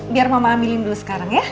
biar mama amin dulu sekarang ya